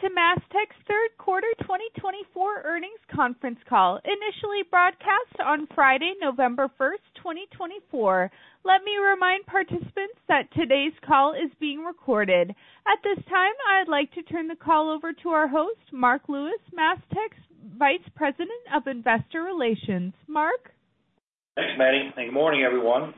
Welcome to MasTec's third quarter 2024 Earnings Conference Call, initially broadcast on Friday, November 1st, 2024. Let me remind participants that today's call is being recorded. At this time, I'd like to turn the call over to our host, Marc Lewis, MasTec's Vice President of Investor Relations. Marc? Thanks, Maddie. And good morning, everyone.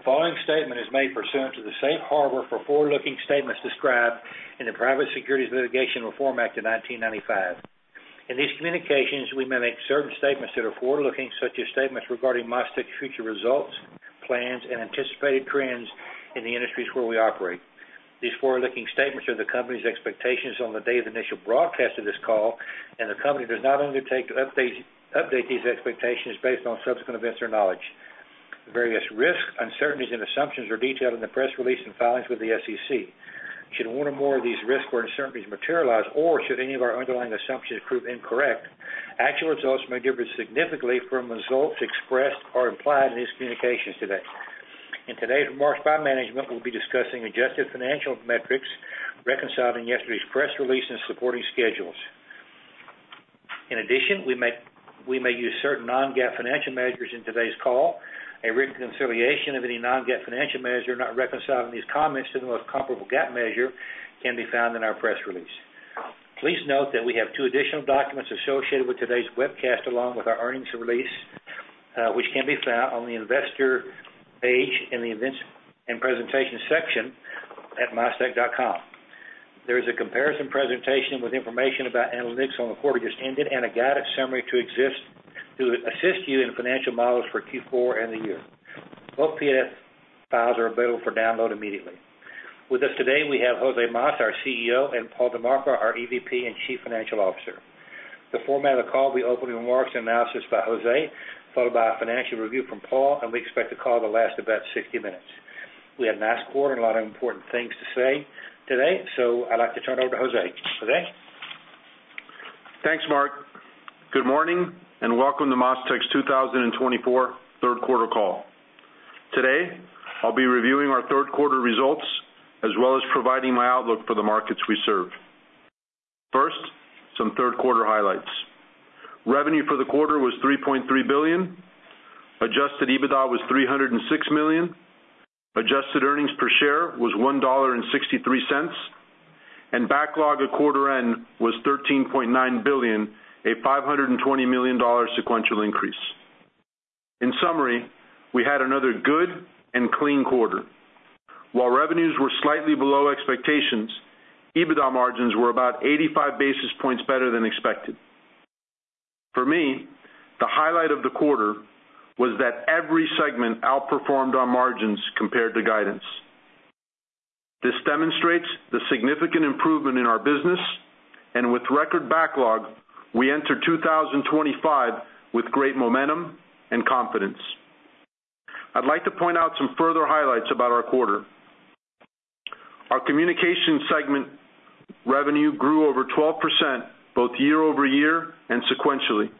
The following statement is made pursuant to the safe harbor for forward-looking statements described in the Private Securities Litigation Reform Act of 1995. In these communications, we may make certain statements that are forward-looking, such as statements regarding MasTec's future results, plans, and anticipated trends in the industries where we operate. These forward-looking statements are the company's expectations on the date of initial broadcast of this call, and the company does not undertake to update these expectations based on subsequent events or knowledge. Various risks, uncertainties, and assumptions are detailed in the press release and filings with the SEC. Should one or more of these risks or uncertainties materialize, or should any of our underlying assumptions prove incorrect, actual results may differ significantly from results expressed or implied in these communications today. In today's remarks by management, we'll be discussing adjusted financial metrics, reconciling yesterday's press release, and supporting schedules. In addition, we may use certain non-GAAP financial measures in today's call. A written reconciliation of any non-GAAP financial measure not reconciling these comments to the most comparable GAAP measure can be found in our press release. Please note that we have two additional documents associated with today's webcast, along with our earnings release, which can be found on the investor page in the events and presentation section at mastec.com. There is a comparison presentation with information about analytics on the quarter just ended and a guided summary to assist you in financial models for Q4 and the year. Both PDF files are available for download immediately. With us today, we have José Mas, our CEO, and Paul DiMarco, our EVP and Chief Financial Officer. The format of the call will be opening remarks and analysis by José, followed by a financial review from Paul, and we expect the call to last about 60 minutes. We have nice quarter and a lot of important things to say today, so I'd like to turn it over to José. José? Thanks, Marc. Good morning and welcome to MasTec's 2024 Third Quarter Call. Today, I'll be reviewing our third quarter results as well as providing my outlook for the markets we serve. First, some third quarter highlights. Revenue for the quarter was $3.3 billion. Adjusted EBITDA was $306 million. Adjusted earnings per share was $1.63. And backlog at quarter end was $13.9 billion, a $520 million sequential increase. In summary, we had another good and clean quarter. While revenues were slightly below expectations, EBITDA margins were about 85 basis points better than expected. For me, the highlight of the quarter was that every segment outperformed our margins compared to guidance. This demonstrates the significant improvement in our business, and with record backlog, we enter 2025 with great momentum and confidence. I'd like to point out some further highlights about our quarter. Our Communications segment revenue grew over 12% both year-over-year and sequentially,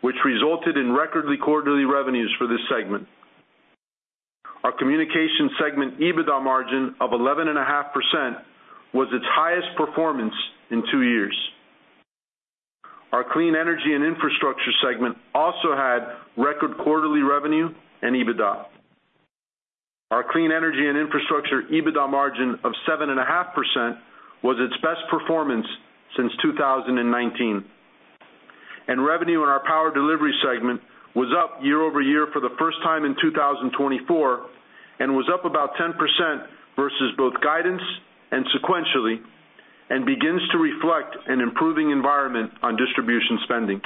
which resulted in record quarterly revenues for this segment. Our Communications segment EBITDA margin of 11.5% was its highest performance in two years. Our Clean Energy and Infrastructure segment also had record quarterly revenue and EBITDA. Our Clean Energy and Infrastructure EBITDA margin of 7.5% was its best performance since 2019, and revenue in our Power Delivery segment was up year-over-year for the first time in 2024 and was up about 10% versus both guidance and sequentially, and begins to reflect an improving environment on distribution spending.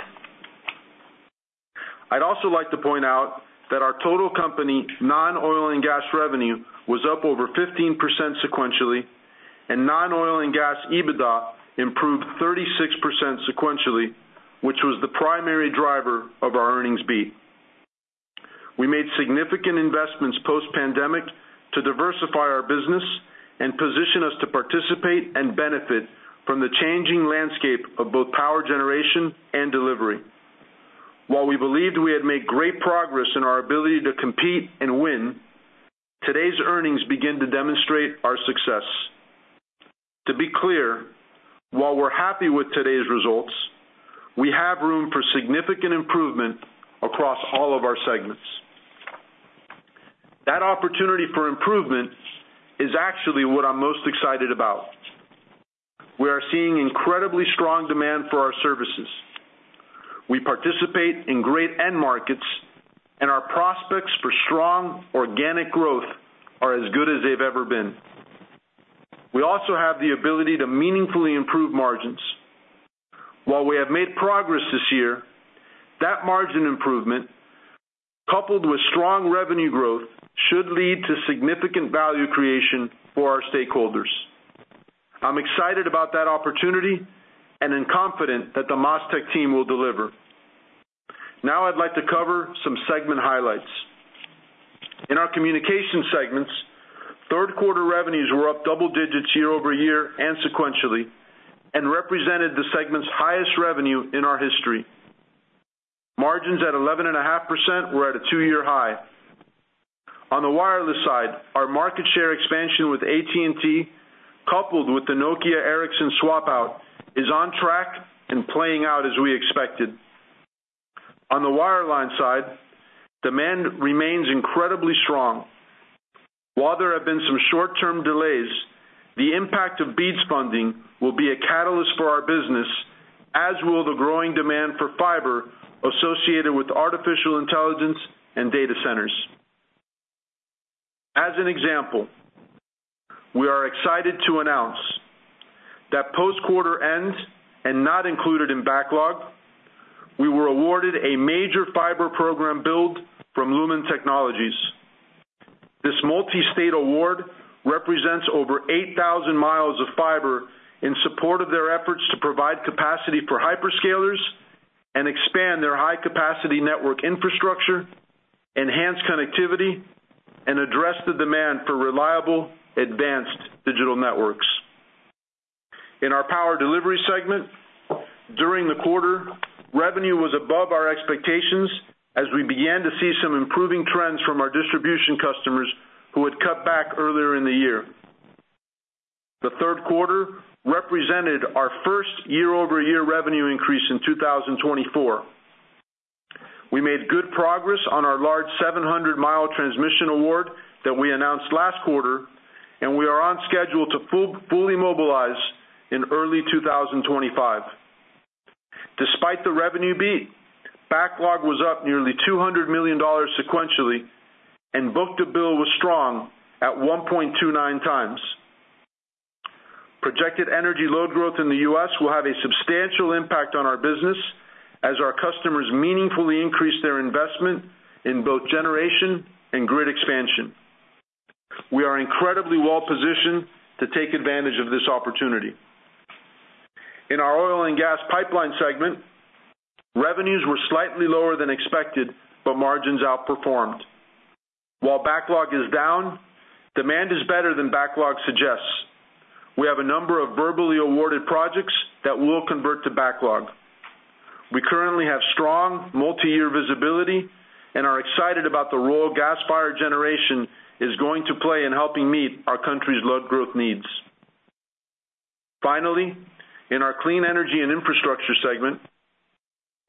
I'd also like to point out that our total company non-Oil and Gas revenue was up over 15% sequentially, and non-Oil and Gas EBITDA improved 36% sequentially, which was the primary driver of our earnings beat. We made significant investments post-pandemic to diversify our business and position us to participate and benefit from the changing landscape of both power generation and delivery. While we believed we had made great progress in our ability to compete and win, today's earnings begin to demonstrate our success. To be clear, while we're happy with today's results, we have room for significant improvement across all of our segments. That opportunity for improvement is actually what I'm most excited about. We are seeing incredibly strong demand for our services. We participate in great end markets, and our prospects for strong organic growth are as good as they've ever been. We also have the ability to meaningfully improve margins. While we have made progress this year, that margin improvement, coupled with strong revenue growth, should lead to significant value creation for our stakeholders. I'm excited about that opportunity and confident that the MasTec team will deliver. Now, I'd like to cover some segment highlights. In our Communications segment, third quarter revenues were up double digits year-over-year and sequentially, and represented the segment's highest revenue in our history. Margins at 11.5% were at a two-year high. On the wireless side, our market share expansion with AT&T, coupled with the Nokia Ericsson swap-out, is on track and playing out as we expected. On the wireline side, demand remains incredibly strong. While there have been some short-term delays, the impact of BEAD funding will be a catalyst for our business, as will the growing demand for fiber associated with artificial intelligence and data centers. As an example, we are excited to announce that post-quarter end and not included in backlog, we were awarded a major fiber program build from Lumen Technologies. This multi-state award represents over 8,000 miles of fiber in support of their efforts to provide capacity for hyperscalers and expand their high-capacity network infrastructure, enhance connectivity, and address the demand for reliable, advanced digital networks. In our power delivery segment, during the quarter, revenue was above our expectations as we began to see some improving trends from our distribution customers who had cut back earlier in the year. The third quarter represented our first year-over-year revenue increase in 2024. We made good progress on our large 700-mile transmission award that we announced last quarter, and we are on schedule to fully mobilize in early 2025. Despite the revenue beat, backlog was up nearly $200 million sequentially, and book to bill was strong at 1.29 times. Projected energy load growth in the U.S. will have a substantial impact on our business as our customers meaningfully increase their investment in both generation and grid expansion. We are incredibly well-positioned to take advantage of this opportunity. In our oil and gas pipeline segment, revenues were slightly lower than expected, but margins outperformed. While backlog is down, demand is better than backlog suggests. We have a number of verbally awarded projects that will convert to backlog. We currently have strong multi-year visibility and are excited about the role gas-fired generation is going to play in helping meet our country's load growth needs. Finally, in our clean energy and infrastructure segment,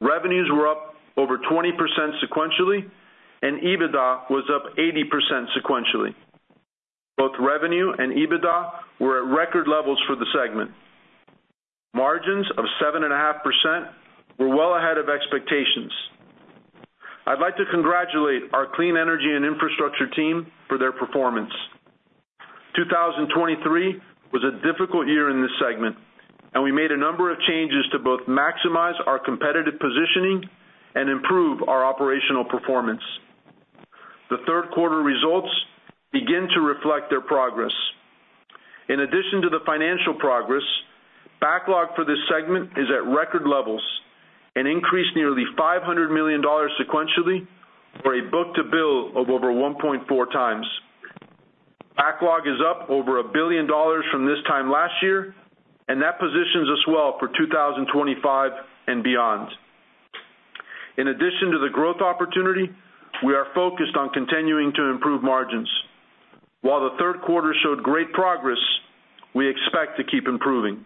revenues were up over 20% sequentially, and EBITDA was up 80% sequentially. Both revenue and EBITDA were at record levels for the segment. Margins of 7.5% were well ahead of expectations. I'd like to congratulate our clean energy and infrastructure team for their performance. 2023 was a difficult year in this segment, and we made a number of changes to both maximize our competitive positioning and improve our operational performance. The third quarter results begin to reflect their progress. In addition to the financial progress, backlog for this segment is at record levels, an increase nearly $500 million sequentially for a book to bill of over 1.4 times. Backlog is up over a billion dollars from this time last year, and that positions us well for 2025 and beyond. In addition to the growth opportunity, we are focused on continuing to improve margins. While the third quarter showed great progress, we expect to keep improving.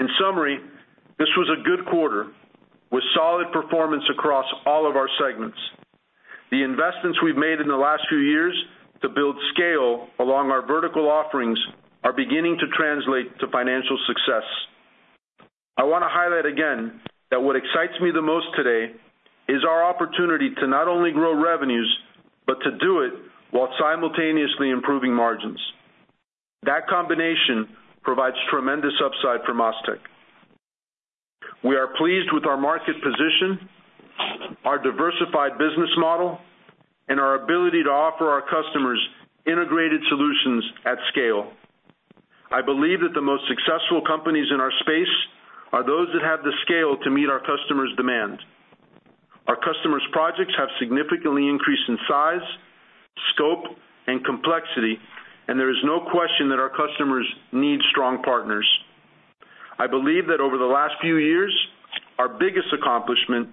In summary, this was a good quarter with solid performance across all of our segments. The investments we've made in the last few years to build scale along our vertical offerings are beginning to translate to financial success. I want to highlight again that what excites me the most today is our opportunity to not only grow revenues, but to do it while simultaneously improving margins. That combination provides tremendous upside for MasTec. We are pleased with our market position, our diversified business model, and our ability to offer our customers integrated solutions at scale. I believe that the most successful companies in our space are those that have the scale to meet our customers' demand. Our customers' projects have significantly increased in size, scope, and complexity, and there is no question that our customers need strong partners. I believe that over the last few years, our biggest accomplishment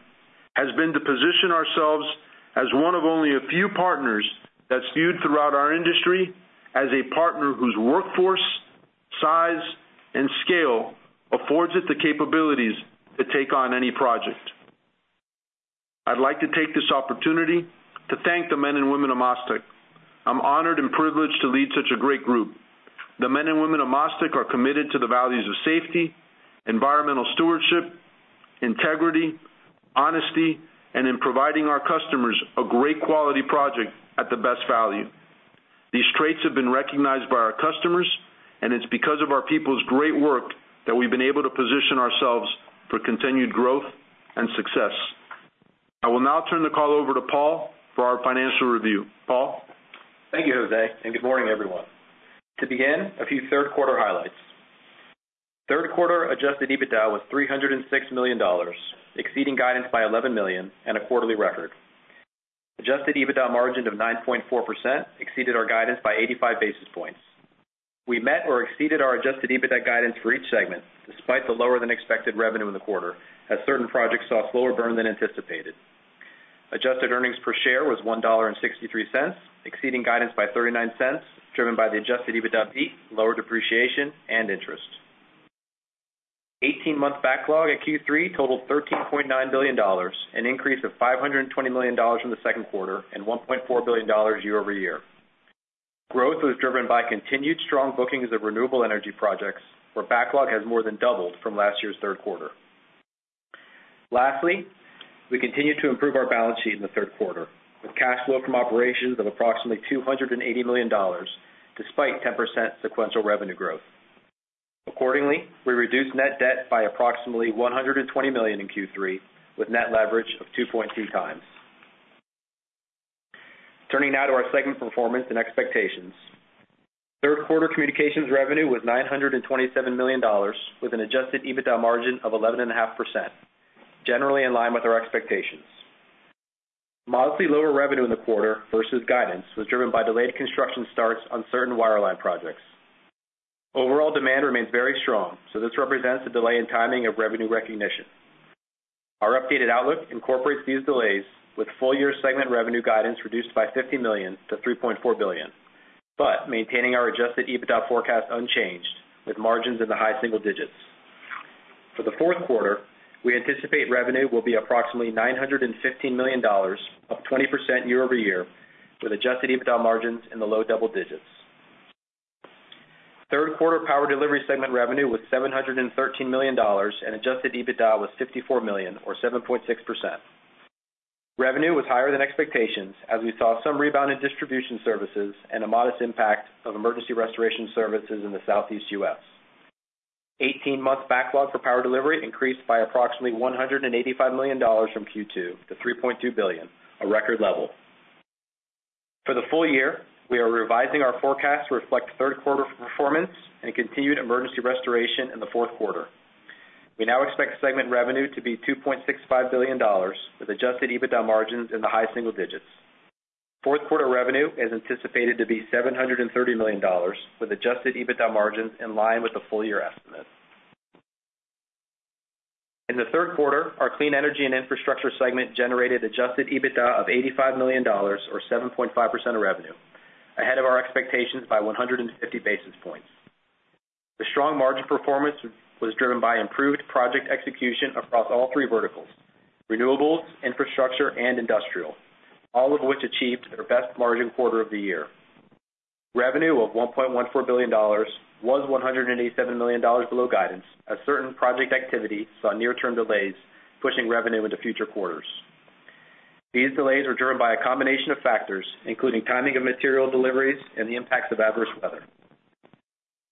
has been to position ourselves as one of only a few partners that's viewed throughout our industry as a partner whose workforce, size, and scale affords it the capabilities to take on any project. I'd like to take this opportunity to thank the men and women of MasTec. I'm honored and privileged to lead such a great group. The men and women of MasTec are committed to the values of safety, environmental stewardship, integrity, honesty, and in providing our customers a great quality project at the best value. These traits have been recognized by our customers, and it's because of our people's great work that we've been able to position ourselves for continued growth and success. I will now turn the call over to Paul for our financial review. Paul? Thank you, José, and good morning, everyone. To begin, a few third quarter highlights. Third quarter adjusted EBITDA was $306 million, exceeding guidance by $11 million and a quarterly record. Adjusted EBITDA margin of 9.4% exceeded our guidance by 85 basis points. We met or exceeded our adjusted EBITDA guidance for each segment, despite the lower-than-expected revenue in the quarter, as certain projects saw slower burn than anticipated. Adjusted earnings per share was $1.63, exceeding guidance by 39 cents, driven by the adjusted EBITDA beat, lower depreciation, and interest. 18-month backlog at Q3 totaled $13.9 billion, an increase of $520 million from the second quarter and $1.4 billion year-over-year. Growth was driven by continued strong bookings of renewable energy projects, where backlog has more than doubled from last year's third quarter. Lastly, we continued to improve our balance sheet in the third quarter, with cash flow from operations of approximately $280 million, despite 10% sequential revenue growth. Accordingly, we reduced net debt by approximately $120 million in Q3, with net leverage of 2.2 times. Turning now to our segment performance and expectations. Third quarter communications revenue was $927 million, with an Adjusted EBITDA margin of 11.5%, generally in line with our expectations. Modestly lower revenue in the quarter versus guidance was driven by delayed construction starts on certain wireline projects. Overall demand remains very strong, so this represents a delay in timing of revenue recognition. Our updated outlook incorporates these delays, with full-year segment revenue guidance reduced by $50 million-$3.4 billion, but maintaining our Adjusted EBITDA forecast unchanged, with margins in the high single digits. For the fourth quarter, we anticipate revenue will be approximately $915 million, up 20% year-over-year, with adjusted EBITDA margins in the low double digits. Third quarter Power Delivery segment revenue was $713 million, and adjusted EBITDA was $54 million, or 7.6%. Revenue was higher than expectations, as we saw some rebound in distribution services and a modest impact of emergency restoration services in the Southeast U.S. 18-month backlog for Power Delivery increased by approximately $185 million from Q2 to $3.2 billion, a record level. For the full year, we are revising our forecast to reflect third quarter performance and continued emergency restoration in the fourth quarter. We now expect segment revenue to be $2.65 billion, with adjusted EBITDA margins in the high single digits. Fourth quarter revenue is anticipated to be $730 million, with adjusted EBITDA margins in line with the full-year estimate. In the third quarter, our Clean Energy and Infrastructure segment generated Adjusted EBITDA of $85 million, or 7.5% of revenue, ahead of our expectations by 150 basis points. The strong margin performance was driven by improved project execution across all three verticals: renewables, infrastructure, and industrial, all of which achieved their best margin quarter of the year. Revenue of $1.14 billion was $187 million below guidance, as certain project activity saw near-term delays pushing revenue into future quarters. These delays were driven by a combination of factors, including timing of material deliveries and the impacts of adverse weather.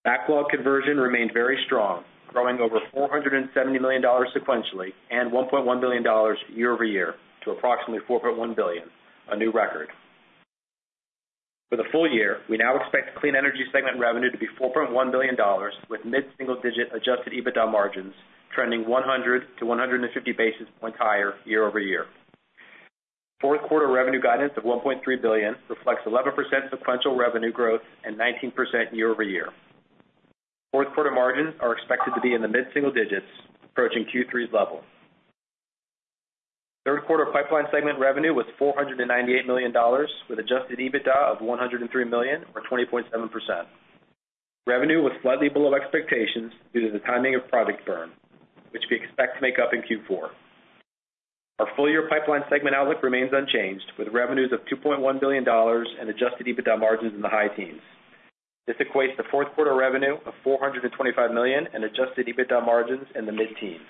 Backlog conversion remained very strong, growing over $470 million sequentially and $1.1 billion year-over-year to approximately $4.1 billion, a new record. For the full year, we now expect Clean Energy segment revenue to be $4.1 billion, with mid-single-digit Adjusted EBITDA margins trending 100 to 150 basis points higher year-over-year. Fourth quarter revenue guidance of $1.3 billion reflects 11% sequential revenue growth and 19% year-over-year. Fourth quarter margins are expected to be in the mid-single digits, approaching Q3's level. Third quarter pipeline segment revenue was $498 million, with Adjusted EBITDA of $103 million, or 20.7%. Revenue was slightly below expectations due to the timing of project burn, which we expect to make up in Q4. Our full-year pipeline segment outlook remains unchanged, with revenues of $2.1 billion and Adjusted EBITDA margins in the high teens. This equates to fourth quarter revenue of $425 million and Adjusted EBITDA margins in the mid-teens.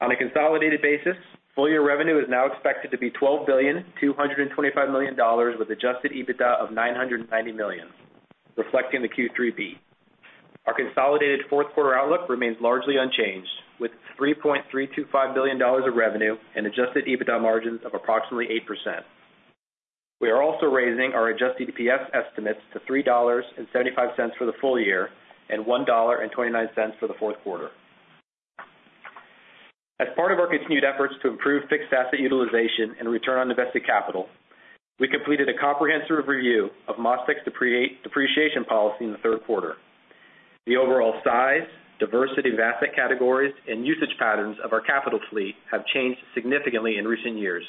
On a consolidated basis, full-year revenue is now expected to be $12.225 billion, with Adjusted EBITDA of $990 million, reflecting the Q3 beat. Our consolidated fourth quarter outlook remains largely unchanged, with $3.325 billion of revenue and Adjusted EBITDA margins of approximately 8%. We are also raising our adjusted EPS estimates to $3.75 for the full year and $1.29 for the fourth quarter. As part of our continued efforts to improve fixed asset utilization and return on invested capital, we completed a comprehensive review of MasTec's depreciation policy in the third quarter. The overall size, diversity of asset categories, and usage patterns of our capital fleet have changed significantly in recent years,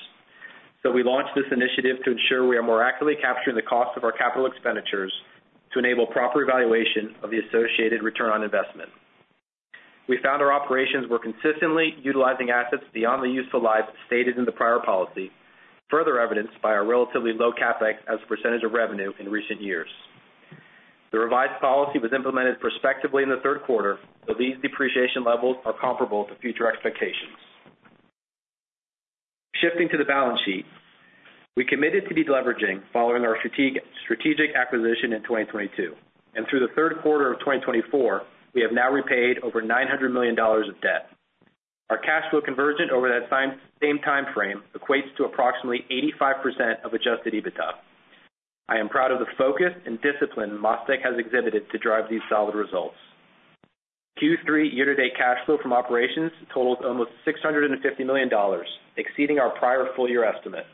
so we launched this initiative to ensure we are more accurately capturing the cost of our capital expenditures to enable proper evaluation of the associated return on investment. We found our operations were consistently utilizing assets beyond the useful lives stated in the prior policy, further evidenced by our relatively low CapEx as a percentage of revenue in recent years. The revised policy was implemented prospectively in the third quarter, so these depreciation levels are comparable to future expectations. Shifting to the balance sheet, we committed to deleveraging following our strategic acquisition in 2022, and through the third quarter of 2024, we have now repaid over $900 million of debt. Our cash flow conversion over that same timeframe equates to approximately 85% of adjusted EBITDA. I am proud of the focus and discipline MasTec has exhibited to drive these solid results. Q3 year-to-date cash flow from operations totals almost $650 million, exceeding our prior full-year estimate.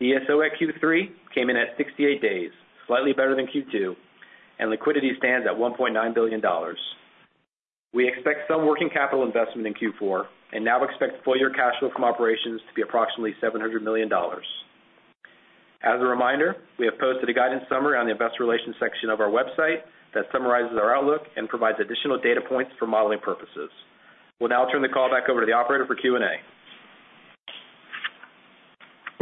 The DSO at Q3 came in at 68 days, slightly better than Q2, and liquidity stands at $1.9 billion. We expect some working capital investment in Q4 and now expect full-year cash flow from operations to be approximately $700 million. As a reminder, we have posted a guidance summary on the investor relations section of our website that summarizes our outlook and provides additional data points for modeling purposes. We'll now turn the call back over to the operator for Q&A.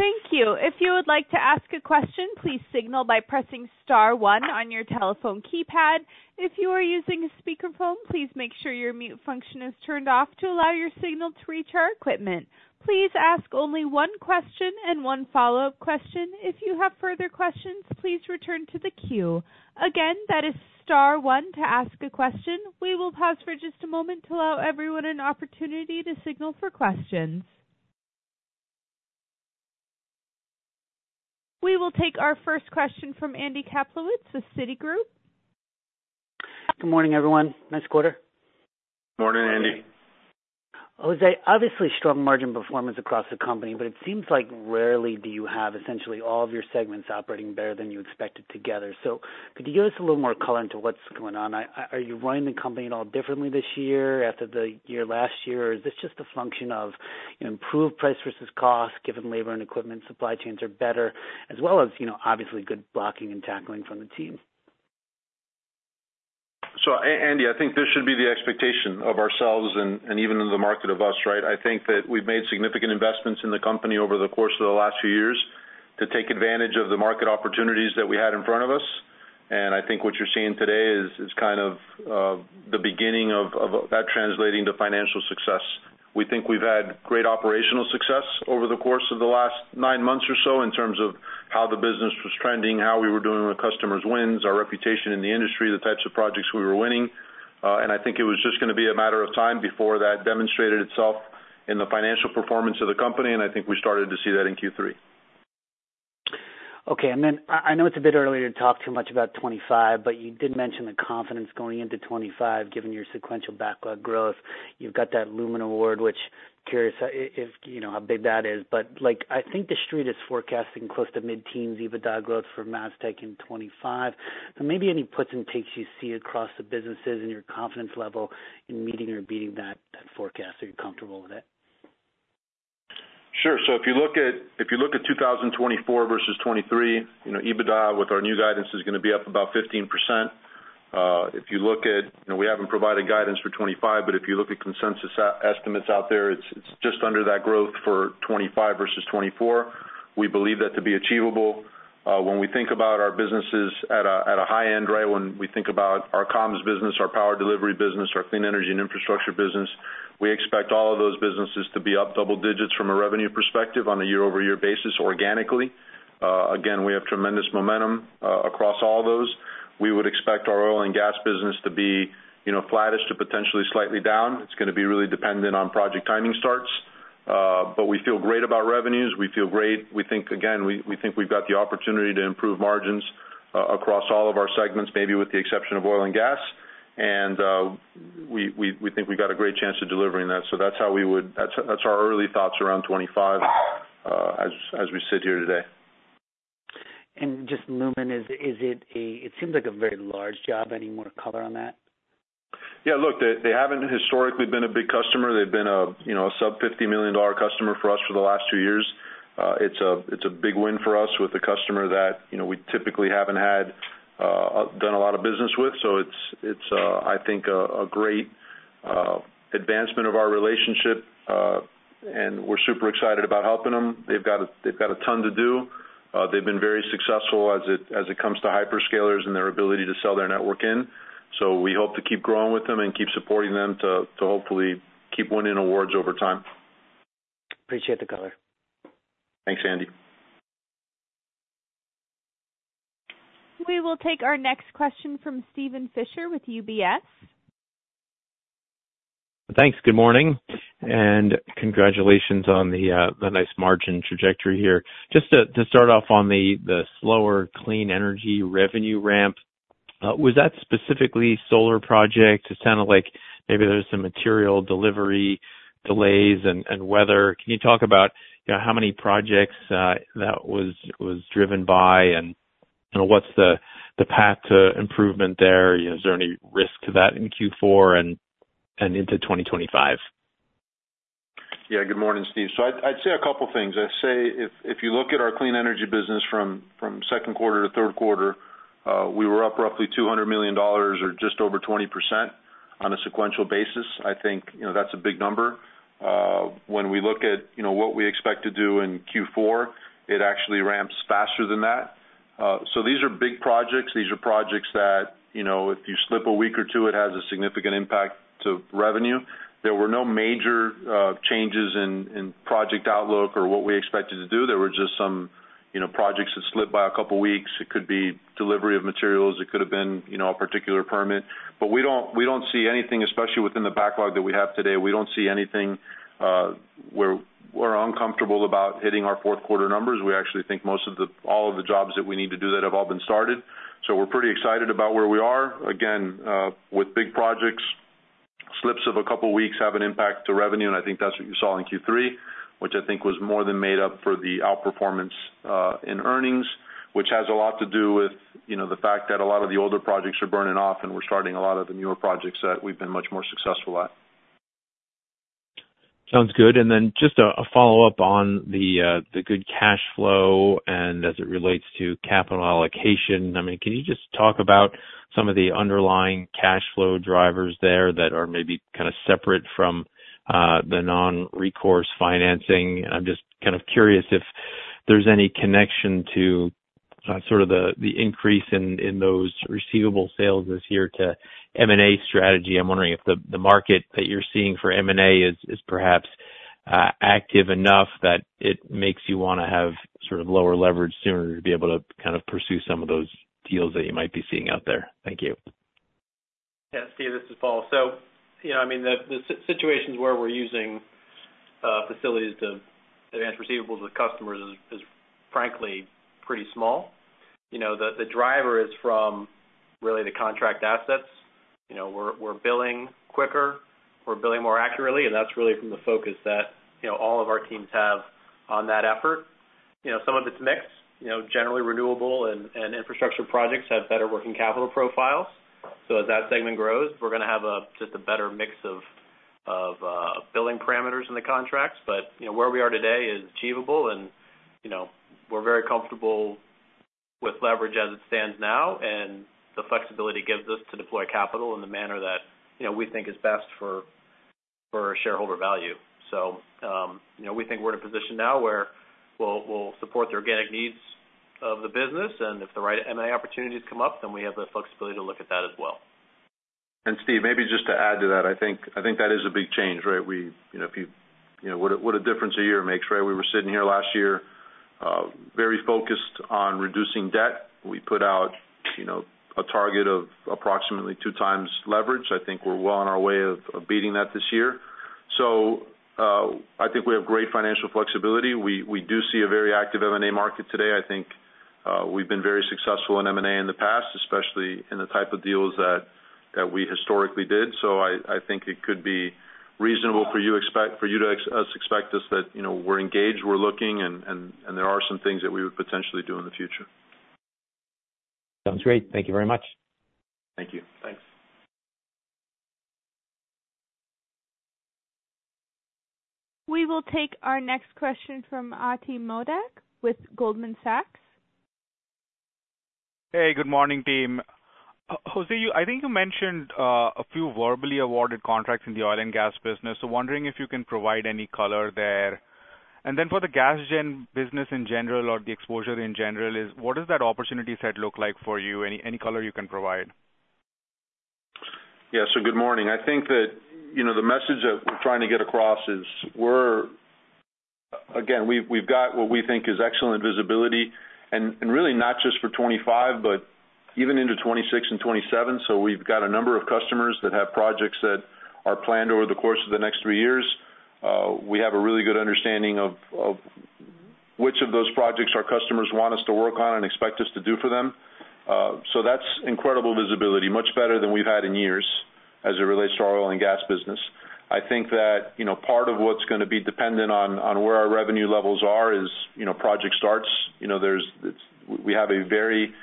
Thank you. If you would like to ask a question, please signal by pressing star one on your telephone keypad. If you are using a speakerphone, please make sure your mute function is turned off to allow your signal to reach our equipment. Please ask only one question and one follow-up question. If you have further questions, please return to the queue. Again, that is star one to ask a question. We will pause for just a moment to allow everyone an opportunity to signal for questions. We will take our first question from Andy Kaplowitz with Citigroup. Good morning, everyone. Nice quarter. Morning, Andy. José, obviously strong margin performance across the company, but it seems like rarely do you have essentially all of your segments operating better than you expected together. So could you give us a little more color into what's going on? Are you running the company at all differently this year after the year last year, or is this just a function of improved price versus cost, given labor and equipment supply chains are better, as well as obviously good blocking and tackling from the team? So, Andy, I think this should be the expectation of ourselves and even in the market of us, right? I think that we've made significant investments in the company over the course of the last few years to take advantage of the market opportunities that we had in front of us. And I think what you're seeing today is kind of the beginning of that translating to financial success. We think we've had great operational success over the course of the last nine months or so in terms of how the business was trending, how we were doing with customers' wins, our reputation in the industry, the types of projects we were winning. And I think it was just going to be a matter of time before that demonstrated itself in the financial performance of the company, and I think we started to see that in Q3. Okay. And then I know it's a bit early to talk too much about 2025, but you did mention the confidence going into 2025, given your sequential backlog growth. You've got that Lumen Award, which I'm curious how big that is. But I think the street is forecasting close to mid-teens EBITDA growth for MasTec in 2025. And maybe any puts and takes you see across the businesses and your confidence level in meeting or beating that forecast, or are you comfortable with it? Sure. So if you look at 2024 versus 2023, EBITDA with our new guidance is going to be up about 15%. If you look at, we haven't provided guidance for 2025, but if you look at consensus estimates out there, it's just under that growth for 2025 versus 2024. We believe that to be achievable. When we think about our businesses at a high end, right, when we think about our comms business, our power delivery business, our clean energy and infrastructure business, we expect all of those businesses to be up double digits from a revenue perspective on a year-over-year basis organically. Again, we have tremendous momentum across all those. We would expect our oil and gas business to be flattish to potentially slightly down. It's going to be really dependent on project timing starts. But we feel great about revenues. We feel great. We think, again, we think we've got the opportunity to improve margins across all of our segments, maybe with the exception of Oil and Gas. And we think we've got a great chance of delivering that. So that's our early thoughts around 2025 as we sit here today. And just Lumen, is it a very large job? Any more color on that? Yeah. Look, they haven't historically been a big customer. They've been a sub-$50 million customer for us for the last two years. It's a big win for us with a customer that we typically haven't done a lot of business with. So it's, I think, a great advancement of our relationship, and we're super excited about helping them. They've got a ton to do. They've been very successful as it comes to hyperscalers and their ability to sell their network in. So we hope to keep growing with them and keep supporting them to hopefully keep winning awards over time. Appreciate the color. Thanks, Andy. We will take our next question from Steven Fisher with UBS. Thanks. Good morning, and congratulations on the nice margin trajectory here. Just to start off on the slower clean energy revenue ramp, was that specifically solar projects? It sounded like maybe there were some material delivery delays and weather. Can you talk about how many projects that was driven by, and what's the path to improvement there? Is there any risk to that in Q4 and into 2025? Yeah. Good morning, Steve. So I'd say a couple of things. I'd say if you look at our clean energy business from second quarter to third quarter, we were up roughly $200 million or just over 20% on a sequential basis. I think that's a big number. When we look at what we expect to do in Q4, it actually ramps faster than that. So these are big projects. These are projects that if you slip a week or two, it has a significant impact to revenue. There were no major changes in project outlook or what we expected to do. There were just some projects that slipped by a couple of weeks. It could be delivery of materials. It could have been a particular permit. But we don't see anything, especially within the backlog that we have today. We don't see anything where we're uncomfortable about hitting our fourth quarter numbers. We actually think all of the jobs that we need to do that have all been started. So we're pretty excited about where we are. Again, with big projects, slips of a couple of weeks have an impact to revenue, and I think that's what you saw in Q3, which I think was more than made up for the outperformance in earnings, which has a lot to do with the fact that a lot of the older projects are burning off, and we're starting a lot of the newer projects that we've been much more successful at. Sounds good, and then just a follow-up on the good cash flow and as it relates to capital allocation. I mean, can you just talk about some of the underlying cash flow drivers there that are maybe kind of separate from the non-recourse financing? I'm just kind of curious if there's any connection to sort of the increase in those receivable sales this year to M&A strategy. I'm wondering if the market that you're seeing for M&A is perhaps active enough that it makes you want to have sort of lower leverage sooner to be able to kind of pursue some of those deals that you might be seeing out there. Thank you. Yeah. Steve, this is Paul. So I mean, the situations where we're using facilities to advance receivables with customers is, frankly, pretty small. The driver is from really the contract assets. We're billing quicker. We're billing more accurately, and that's really from the focus that all of our teams have on that effort. Some of it's mixed. Generally, renewable and infrastructure projects have better working capital profiles. So as that segment grows, we're going to have just a better mix of billing parameters in the contracts. But where we are today is achievable, and we're very comfortable with leverage as it stands now, and the flexibility it gives us to deploy capital in the manner that we think is best for shareholder value. So we think we're in a position now where we'll support the organic needs of the business, and if the right M&A opportunities come up, then we have the flexibility to look at that as well. And Steve, maybe just to add to that, I think that is a big change, right? What a difference a year makes, right? We were sitting here last year very focused on reducing debt. We put out a target of approximately two times leverage. I think we're well on our way of beating that this year. So I think we have great financial flexibility. We do see a very active M&A market today. I think we've been very successful in M&A in the past, especially in the type of deals that we historically did. So I think it could be reasonable for you to expect us that we're engaged, we're looking, and there are some things that we would potentially do in the future. Sounds great. Thank you very much. Thank you. Thanks. We will take our next question from Ati Modak with Goldman Sachs. Hey, good morning, team. José, I think you mentioned a few verbally awarded contracts in the oil and gas business, so wondering if you can provide any color there, and then for the gas gen business in general or the exposure in general, what does that opportunity set look like for you? Any color you can provide? Yeah. So good morning. I think that the message that we're trying to get across is, again, we've got what we think is excellent visibility, and really not just for 2025, but even into 2026 and 2027. So we've got a number of customers that have projects that are planned over the course of the next three years. We have a really good understanding of which of those projects our customers want us to work on and expect us to do for them. So that's incredible visibility, much better than we've had in years as it relates to our oil and gas business. I think that part of what's going to be dependent on where our revenue levels are is project starts. We have a very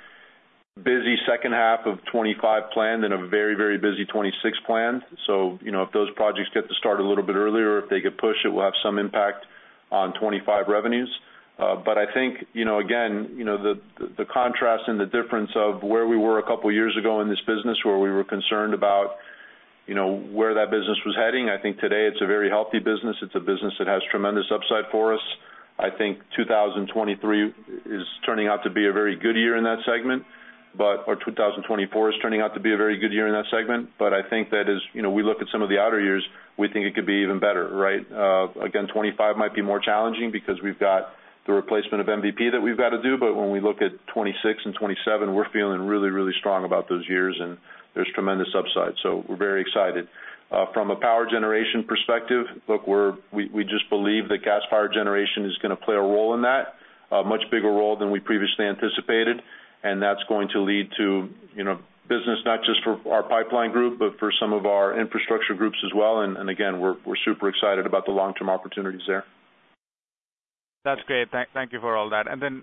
busy second half of 2025 planned and a very, very busy 2026 planned. So if those projects get to start a little bit earlier, if they get pushed, it will have some impact on 2025 revenues. But I think, again, the contrast and the difference of where we were a couple of years ago in this business, where we were concerned about where that business was heading, I think today it's a very healthy business. It's a business that has tremendous upside for us. I think 2023 is turning out to be a very good year in that segment, or 2024 is turning out to be a very good year in that segment. But I think that as we look at some of the outer years, we think it could be even better, right? Again, 2025 might be more challenging because we've got the replacement of MVP that we've got to do. But when we look at 2026 and 2027, we're feeling really, really strong about those years, and there's tremendous upside. So we're very excited. From a power generation perspective, look, we just believe that gas power generation is going to play a role in that, a much bigger role than we previously anticipated. And that's going to lead to business not just for our pipeline group, but for some of our infrastructure groups as well. And again, we're super excited about the long-term opportunities there. That's great. Thank you for all that. And then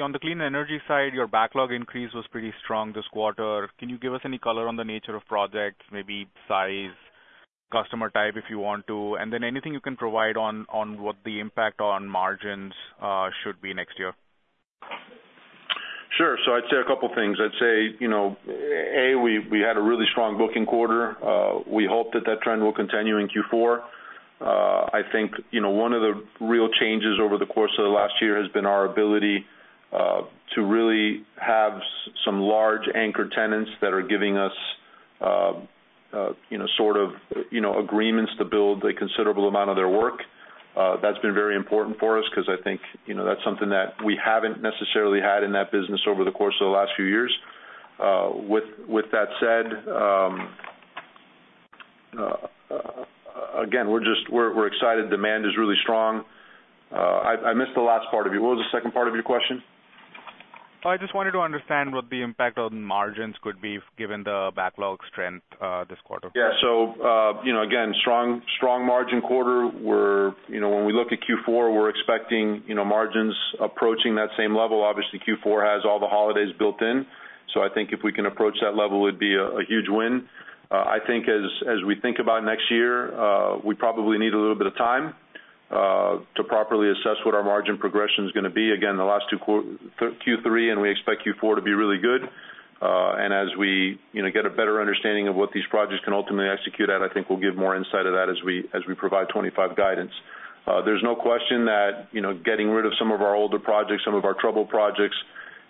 on the clean energy side, your backlog increase was pretty strong this quarter. Can you give us any color on the nature of projects, maybe size, customer type if you want to? And then anything you can provide on what the impact on margins should be next year? Sure. So I'd say a couple of things. I'd say, A, we had a really strong booking quarter. We hope that that trend will continue in Q4. I think one of the real changes over the course of the last year has been our ability to really have some large anchor tenants that are giving us sort of agreements to build a considerable amount of their work. That's been very important for us because I think that's something that we haven't necessarily had in that business over the course of the last few years. With that said, again, we're excited. Demand is really strong. I missed the last part of you. What was the second part of your question? I just wanted to understand what the impact on margins could be given the backlog strength this quarter. Yeah. So again, strong margin quarter. When we look at Q4, we're expecting margins approaching that same level. Obviously, Q4 has all the holidays built in. So I think if we can approach that level, it would be a huge win. I think as we think about next year, we probably need a little bit of time to properly assess what our margin progression is going to be. Again, the last two Q3, and we expect Q4 to be really good. And as we get a better understanding of what these projects can ultimately execute at, I think we'll give more insight of that as we provide 2025 guidance. There's no question that getting rid of some of our older projects, some of our troubled projects,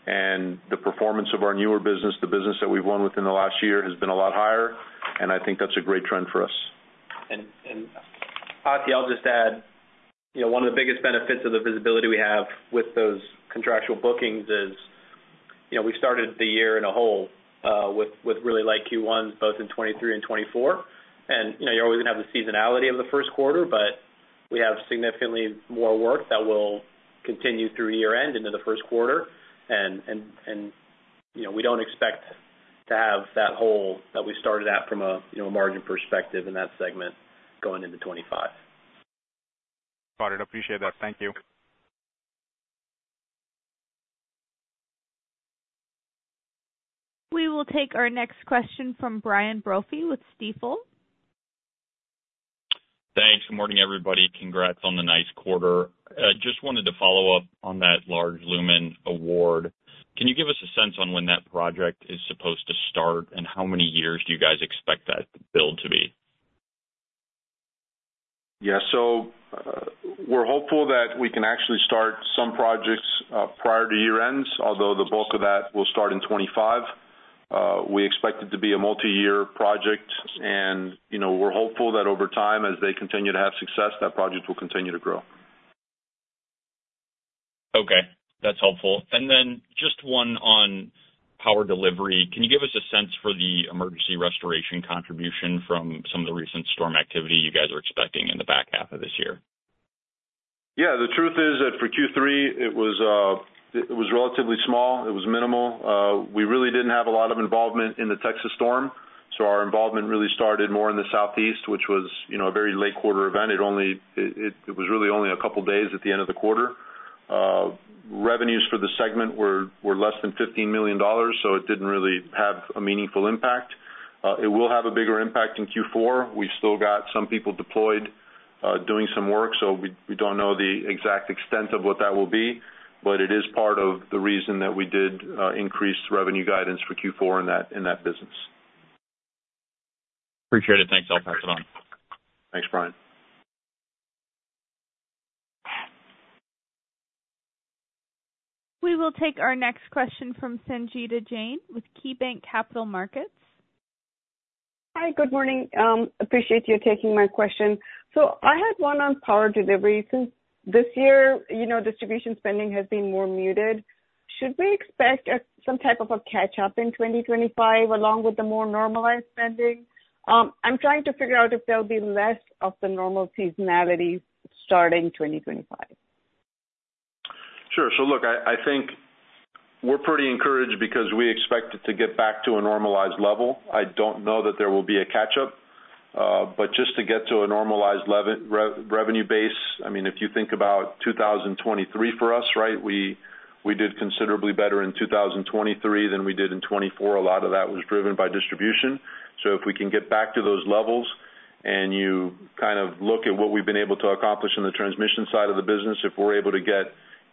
and the performance of our newer business, the business that we've won within the last year has been a lot higher. I think that's a great trend for us. Ati, I'll just add one of the biggest benefits of the visibility we have with those contractual bookings is we started the year in a hole with really light Q1s both in 2023 and 2024. You're always going to have the seasonality of the first quarter, but we have significantly more work that will continue through year-end into the first quarter. We don't expect to have that hole that we started at from a margin perspective in that segment going into 2025. Got it. Appreciate that. Thank you. We will take our next question from Brian Brophy with Stifel. Thanks. Good morning, everybody. Congrats on the nice quarter. Just wanted to follow up on that large Lumen award. Can you give us a sense on when that project is supposed to start, and how many years do you guys expect that build to be? Yeah. So we're hopeful that we can actually start some projects prior to year-end, although the bulk of that will start in 2025. We expect it to be a multi-year project, and we're hopeful that over time, as they continue to have success, that project will continue to grow. Okay. That's helpful, and then just one on power delivery. Can you give us a sense for the emergency restoration contribution from some of the recent storm activity you guys are expecting in the back half of this year? Yeah. The truth is that for Q3, it was relatively small. It was minimal. We really didn't have a lot of involvement in the Texas storm. So our involvement really started more in the Southeast, which was a very late quarter event. It was really only a couple of days at the end of the quarter. Revenues for the segment were less than $15 million, so it didn't really have a meaningful impact. It will have a bigger impact in Q4. We've still got some people deployed doing some work, so we don't know the exact extent of what that will be, but it is part of the reason that we did increase revenue guidance for Q4 in that business. Appreciate it. Thanks. I'll pass it on. Thanks, Brian. We will take our next question from Sangita Jain with KeyBank Capital Markets. Hi. Good morning. Appreciate you taking my question. So I had one on Power Delivery. Since this year, Distribution spending has been more muted, should we expect some type of a catch-up in 2025 along with the more normalized spending? I'm trying to figure out if there'll be less of the normal seasonality starting 2025. Sure. So look, I think we're pretty encouraged because we expect it to get back to a normalized level. I don't know that there will be a catch-up, but just to get to a normalized revenue base, I mean, if you think about 2023 for us, right, we did considerably better in 2023 than we did in 2024. A lot of that was driven by distribution. So if we can get back to those levels and you kind of look at what we've been able to accomplish in the transmission side of the business, if we're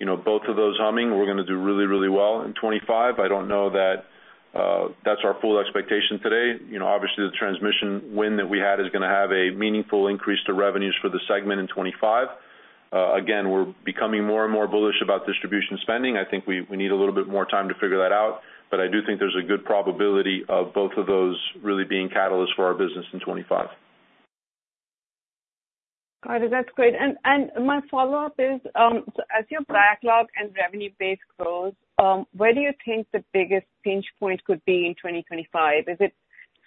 able to get both of those humming, we're going to do really, really well in 2025. I don't know that that's our full expectation today. Obviously, the transmission win that we had is going to have a meaningful increase to revenues for the segment in 2025. Again, we're becoming more and more bullish about distribution spending. I think we need a little bit more time to figure that out, but I do think there's a good probability of both of those really being catalysts for our business in 2025. That's great. And my follow-up is, as your backlog and revenue base grows, where do you think the biggest pinch point could be in 2025? Is it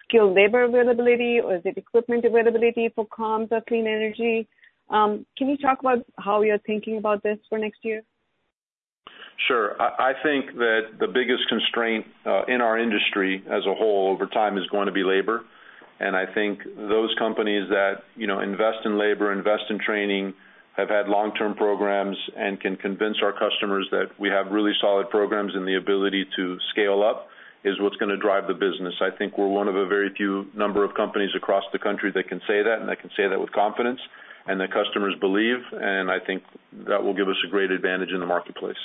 skilled labor availability, or is it equipment availability for comms or clean energy? Can you talk about how you're thinking about this for next year? Sure. I think that the biggest constraint in our industry as a whole over time is going to be labor. And I think those companies that invest in labor, invest in training, have had long-term programs, and can convince our customers that we have really solid programs and the ability to scale up is what's going to drive the business. I think we're one of a very few number of companies across the country that can say that, and I can say that with confidence, and the customers believe. And I think that will give us a great advantage in the marketplace.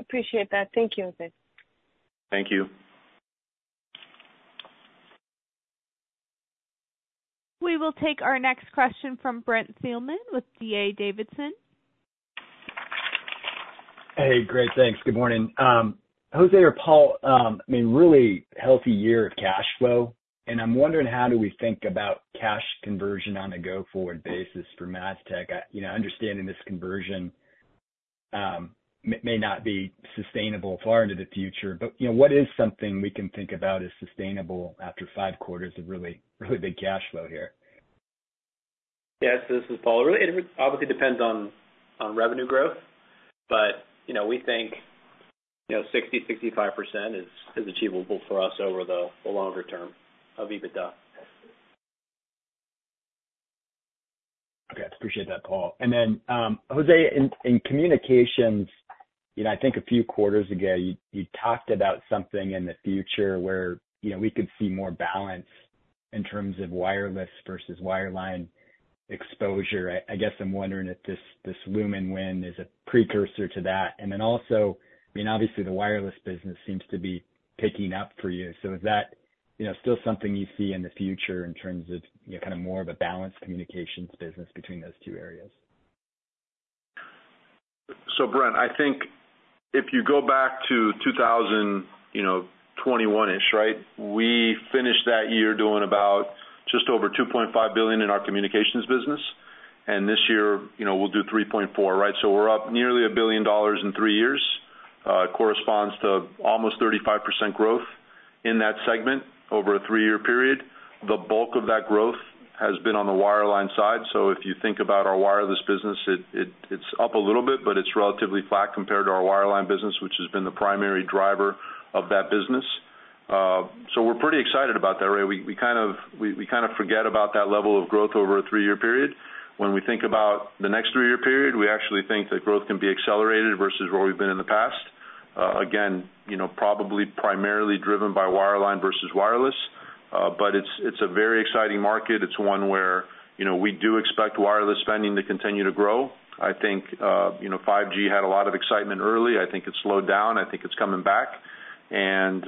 Appreciate that. Thank you, José. Thank you. We will take our next question from Brent Thielman with D.A. Davidson. Hey. Great. Thanks. Good morning. José or Paul, I mean, really healthy year of cash flow. I'm wondering how we think about cash conversion on a go-forward basis for MasTec. I understand this conversion may not be sustainable far into the future, but what is something we can think about as sustainable after five quarters of really, really big cash flow here? Yes. This is Paul. It obviously depends on revenue growth, but we think 60%-65% is achievable for us over the longer term of EBITDA. Okay. Appreciate that, Paul. And then, José, in communications, I think a few quarters ago, you talked about something in the future where we could see more balance in terms of wireless versus wireline exposure. I guess I'm wondering if this Lumen win is a precursor to that. And then also, I mean, obviously, the wireless business seems to be picking up for you. So is that still something you see in the future in terms of kind of more of a balanced communications business between those two areas? So, Brent, I think if you go back to 2021-ish, right, we finished that year doing about just over $2.5 billion in our communications business. And this year, we'll do $3.4 billion, right? So we're up nearly $1 billion in three years. Corresponds to almost 35% growth in that segment over a three-year period. The bulk of that growth has been on the wireline side. So if you think about our wireless business, it's up a little bit, but it's relatively flat compared to our wireline business, which has been the primary driver of that business. So we're pretty excited about that, right? We kind of forget about that level of growth over a three-year period. When we think about the next three-year period, we actually think that growth can be accelerated versus where we've been in the past. Again, probably primarily driven by wireline versus wireless, but it's a very exciting market. It's one where we do expect wireless spending to continue to grow. I think 5G had a lot of excitement early. I think it's slowed down. I think it's coming back. And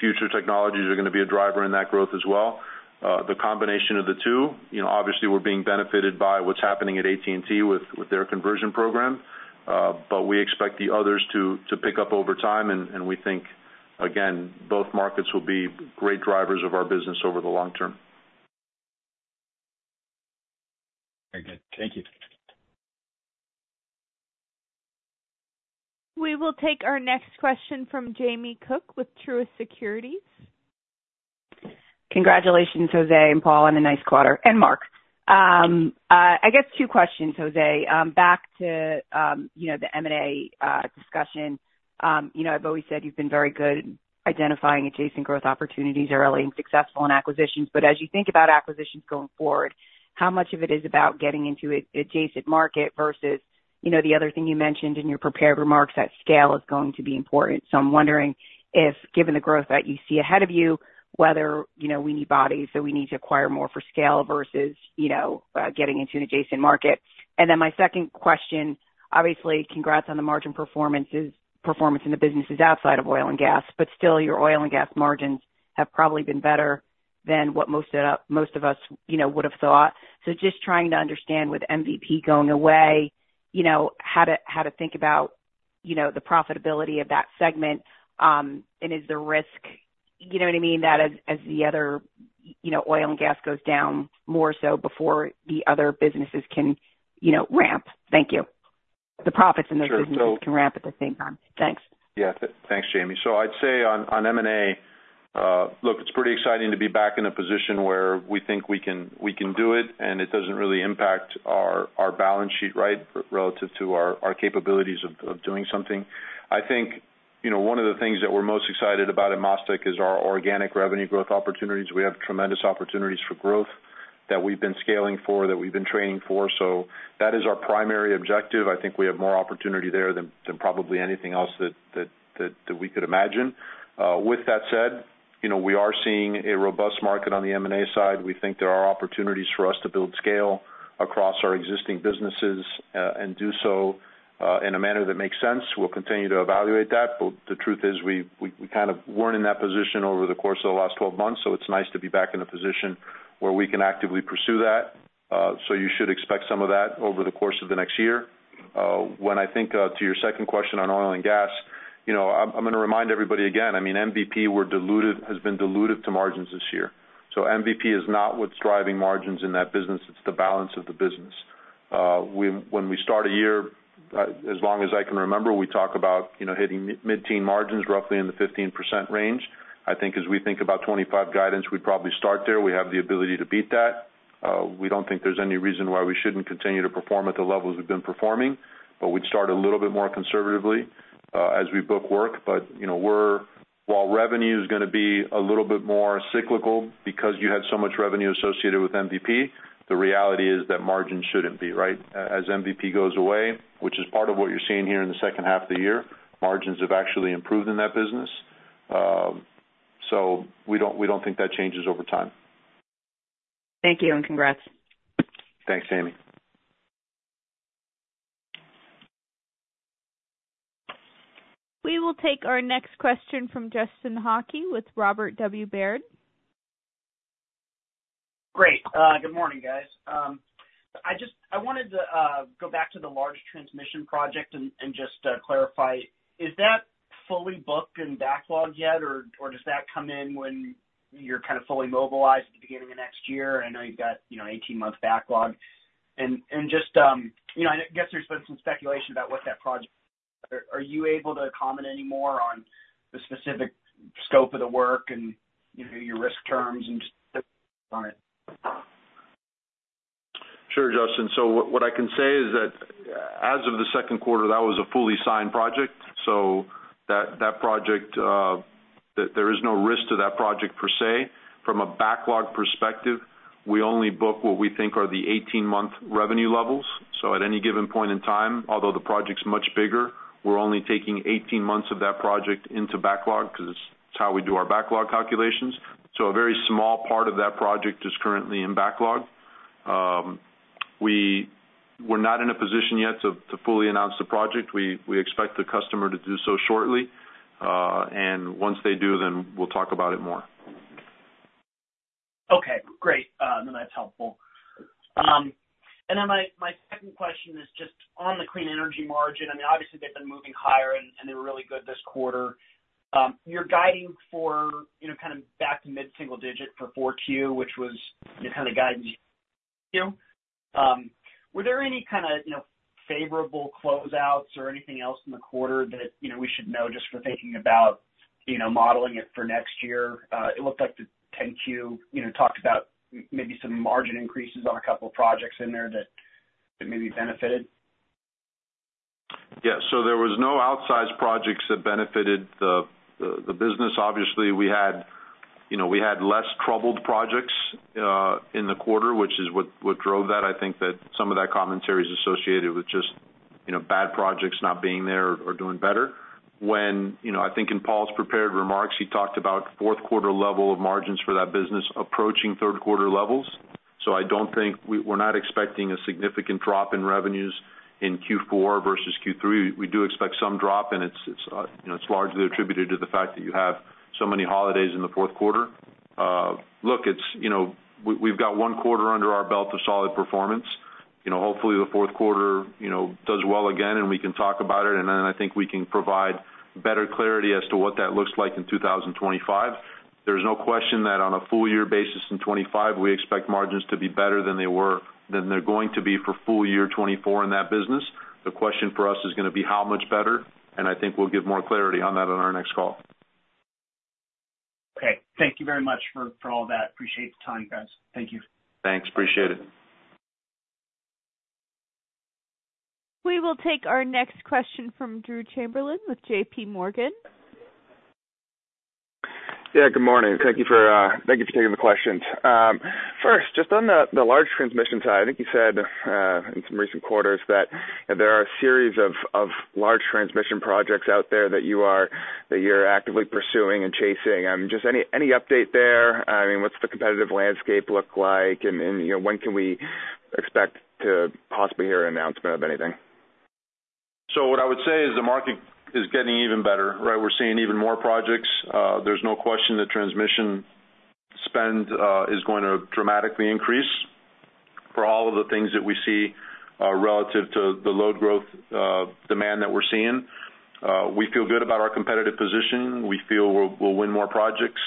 future technologies are going to be a driver in that growth as well. The combination of the two, obviously, we're being benefited by what's happening at AT&T with their conversion program, but we expect the others to pick up over time. And we think, again, both markets will be great drivers of our business over the long term. Very good. Thank you. We will take our next question from Jamie Cook with Truist Securities. Congratulations, José and Paul, on a nice quarter. And Marc. I guess two questions, José. Back to the M&A discussion. I've always said you've been very good at identifying adjacent growth opportunities early and successful in acquisitions. But as you think about acquisitions going forward, how much of it is about getting into an adjacent market versus the other thing you mentioned in your prepared remarks that scale is going to be important? So I'm wondering if, given the growth that you see ahead of you, whether we need bodies that we need to acquire more for scale versus getting into an adjacent market. And then my second question, obviously, congrats on the margin performance in the businesses outside of oil and gas, but still, your oil and gas margins have probably been better than what most of us would have thought. So, just trying to understand with MVP going away, how to think about the profitability of that segment, and is there risk, you know what I mean, that as the other oil and gas goes down more so before the other businesses can ramp? Thank you. The profits in those businesses can ramp at the same time. Thanks. Yeah. Thanks, Jamie. So I'd say on M&A, look, it's pretty exciting to be back in a position where we think we can do it, and it doesn't really impact our balance sheet, right, relative to our capabilities of doing something. I think one of the things that we're most excited about at MasTec is our organic revenue growth opportunities. We have tremendous opportunities for growth that we've been scaling for, that we've been training for. So that is our primary objective. I think we have more opportunity there than probably anything else that we could imagine. With that said, we are seeing a robust market on the M&A side. We think there are opportunities for us to build scale across our existing businesses and do so in a manner that makes sense. We'll continue to evaluate that. But the truth is we kind of weren't in that position over the course of the last 12 months, so it's nice to be back in a position where we can actively pursue that. So you should expect some of that over the course of the next year. When I think to your second question on oil and gas, I'm going to remind everybody again. I mean, MVP has been diluted to margins this year. So MVP is not what's driving margins in that business. It's the balance of the business. When we start a year, as long as I can remember, we talk about hitting mid-teen margins roughly in the 15% range. I think as we think about 2025 guidance, we'd probably start there. We have the ability to beat that. We don't think there's any reason why we shouldn't continue to perform at the levels we've been performing, but we'd start a little bit more conservatively as we book work. But while revenue is going to be a little bit more cyclical because you had so much revenue associated with MVP, the reality is that margins shouldn't be, right? As MVP goes away, which is part of what you're seeing here in the second half of the year, margins have actually improved in that business. So we don't think that changes over time. Thank you, and congrats. Thanks, Jamie. We will take our next question from Justin Hauke with Robert W. Baird. Great. Good morning, guys. I wanted to go back to the large transmission project and just clarify. Is that fully booked and backlogged yet, or does that come in when you're kind of fully mobilized at the beginning of next year? I know you've got 18-month backlog. And just I guess there's been some speculation about what that project is. Are you able to comment anymore on the specific scope of the work and your risk terms and just on it? Sure, Justin. So what I can say is that as of the second quarter, that was a fully signed project. So there is no risk to that project per se. From a backlog perspective, we only book what we think are the 18-month revenue levels. So at any given point in time, although the project's much bigger, we're only taking 18 months of that project into backlog because it's how we do our backlog calculations. So a very small part of that project is currently in backlog. We're not in a position yet to fully announce the project. We expect the customer to do so shortly, and once they do, then we'll talk about it more. Okay. Great. No, that's helpful. And then my second question is just on the clean energy margin. I mean, obviously, they've been moving higher, and they were really good this quarter. You're guiding for kind of back to mid-single digit for 4Q, which was kind of the guidance you gave us. Were there any kind of favorable closeouts or anything else in the quarter that we should know just for thinking about modeling it for next year? It looked like the 10-Q talked about maybe some margin increases on a couple of projects in there that maybe benefited. Yeah. So there were no outsized projects that benefited the business. Obviously, we had less troubled projects in the quarter, which is what drove that. I think that some of that commentary is associated with just bad projects not being there or doing better. When I think in Paul's prepared remarks, he talked about fourth quarter level of margins for that business approaching third quarter levels. So I don't think we're not expecting a significant drop in revenues in Q4 versus Q3. We do expect some drop, and it's largely attributed to the fact that you have so many holidays in the fourth quarter. Look, we've got one quarter under our belt of solid performance. Hopefully, the fourth quarter does well again, and we can talk about it. And then I think we can provide better clarity as to what that looks like in 2025. There's no question that on a full-year basis in 2025, we expect margins to be better than they're going to be for full year 2024 in that business. The question for us is going to be how much better, and I think we'll give more clarity on that on our next call. Okay. Thank you very much for all that. Appreciate the time, guys. Thank you. Thanks. Appreciate it. We will take our next question from Drew Chamberlain with JPMorgan. Yeah. Good morning. Thank you for taking the questions. First, just on the large transmission side, I think you said in some recent quarters that there are a series of large transmission projects out there that you're actively pursuing and chasing. Just any update there? I mean, what's the competitive landscape look like, and when can we expect to possibly hear an announcement of anything? So what I would say is the market is getting even better, right? We're seeing even more projects. There's no question that transmission spend is going to dramatically increase for all of the things that we see relative to the load growth demand that we're seeing. We feel good about our competitive position. We feel we'll win more projects.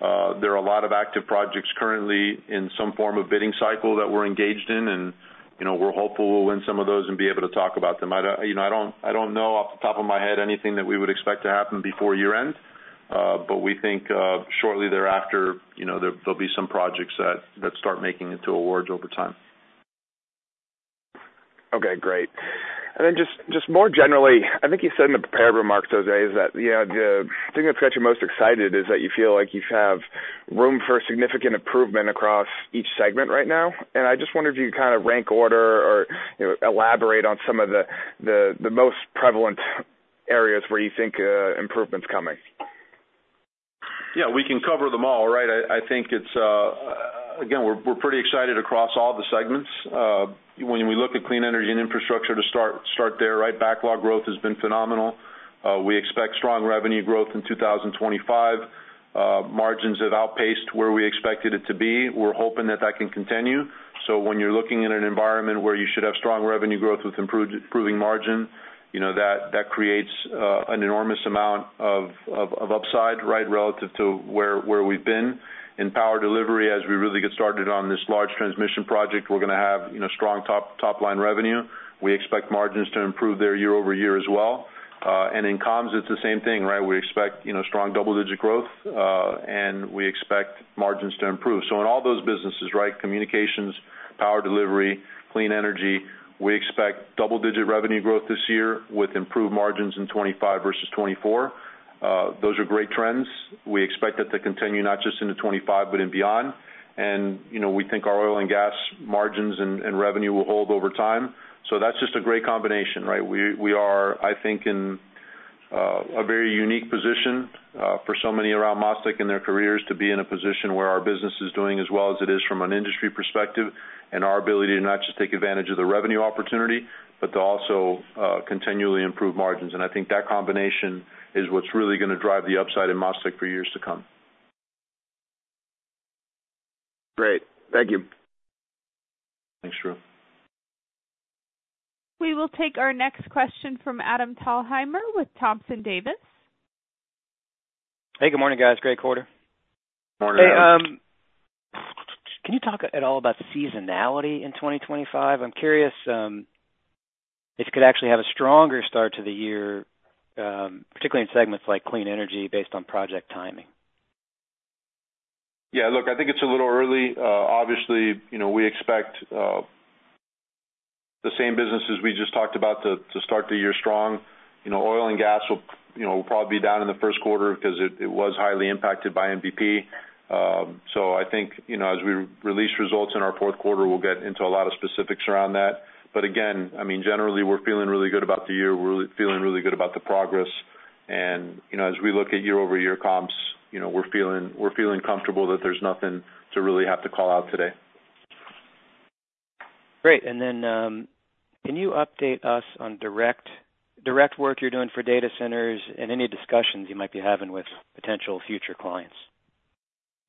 There are a lot of active projects currently in some form of bidding cycle that we're engaged in, and we're hopeful we'll win some of those and be able to talk about them. I don't know off the top of my head anything that we would expect to happen before year-end, but we think shortly thereafter, there'll be some projects that start making it to awards over time. Okay. Great. And then just more generally, I think you said in the prepared remarks, José, that the thing that's got you most excited is that you feel like you have room for significant improvement across each segment right now. And I just wonder if you could kind of rank order or elaborate on some of the most prevalent areas where you think improvement's coming. Yeah. We can cover them all, right? I think, again, we're pretty excited across all the segments. When we look at Clean Energy and Infrastructure, to start there, right, backlog growth has been phenomenal. We expect strong revenue growth in 2025. Margins have outpaced where we expected it to be. We're hoping that that can continue, so when you're looking at an environment where you should have strong revenue growth with improving margin, that creates an enormous amount of upside, right, relative to where we've been. In Power Delivery, as we really get started on this large transmission project, we're going to have strong top-line revenue. We expect margins to improve there year-over-year as well, and in comms, it's the same thing, right? We expect strong double-digit growth, and we expect margins to improve. So in all those businesses, right, communications, power delivery, clean energy, we expect double-digit revenue growth this year with improved margins in 2025 versus 2024. Those are great trends. We expect that to continue not just into 2025, but in beyond. And we think our oil and gas margins and revenue will hold over time. So that's just a great combination, right? We are, I think, in a very unique position for so many around MasTec in their careers to be in a position where our business is doing as well as it is from an industry perspective and our ability to not just take advantage of the revenue opportunity, but to also continually improve margins. And I think that combination is what's really going to drive the upside in MasTec for years to come. Great. Thank you. Thanks, Drew. We will take our next question from Adam Thalhimer with Thompson Davis. Hey. Good morning, guys. Great quarter. Morning, guys. Hey. Can you talk at all about seasonality in 2025? I'm curious if you could actually have a stronger start to the year, particularly in segments like clean energy based on project timing. Yeah. Look, I think it's a little early. Obviously, we expect the same businesses we just talked about to start the year strong. Oil and Gas will probably be down in the first quarter because it was highly impacted by MVP. So I think as we release results in our fourth quarter, we'll get into a lot of specifics around that. But again, I mean, generally, we're feeling really good about the year. We're feeling really good about the progress. And as we look at year-over-year comps, we're feeling comfortable that there's nothing to really have to call out today. Great. And then can you update us on direct work you're doing for data centers and any discussions you might be having with potential future clients?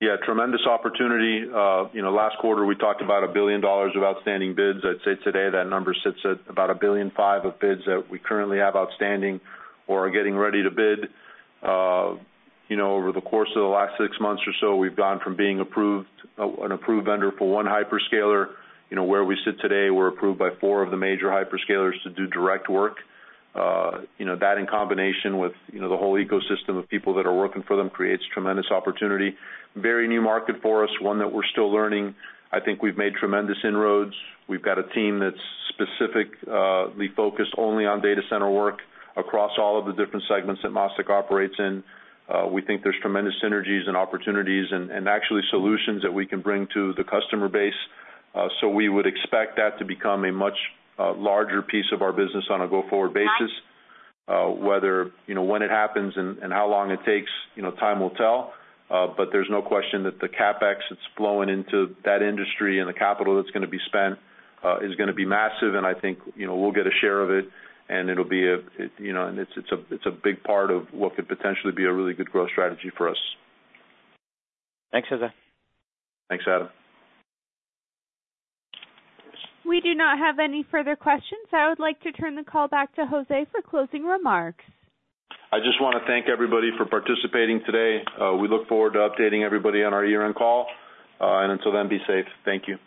Yeah. Tremendous opportunity. Last quarter, we talked about $1 billion of outstanding bids. I'd say today that number sits at about $1.5 billion of bids that we currently have outstanding or are getting ready to bid. Over the course of the last six months or so, we've gone from being an approved vendor for one hyperscaler. Where we sit today, we're approved by four of the major hyperscalers to do direct work. That, in combination with the whole ecosystem of people that are working for them, creates tremendous opportunity. Very new market for us, one that we're still learning. I think we've made tremendous inroads. We've got a team that's specifically focused only on data center work across all of the different segments that MasTec operates in. We think there's tremendous synergies and opportunities and actually solutions that we can bring to the customer base. So we would expect that to become a much larger piece of our business on a go-forward basis. Whether, when it happens and how long it takes, time will tell. But there's no question that the CapEx that's flowing into that industry and the capital that's going to be spent is going to be massive. And I think we'll get a share of it, and it'll be, and it's a big part of what could potentially be a really good growth strategy for us. Thanks, José. Thanks, Adam. We do not have any further questions. I would like to turn the call back to José for closing remarks. I just want to thank everybody for participating today. We look forward to updating everybody on our year-end call. And until then, be safe. Thank you.